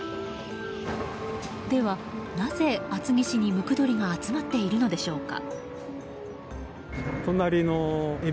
では、なぜ厚木市にムクドリが集まっているのでしょうか。